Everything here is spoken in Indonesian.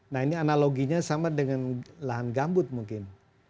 nah ini analoginya sama dengan lahan gambut mungkin